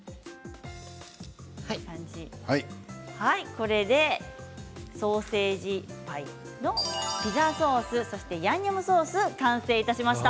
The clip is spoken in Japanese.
これでソーセージパイのピザソース、ヤンニョムソース完成いたしました。